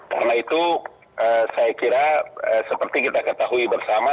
karena itu saya kira seperti kita ketahui bersama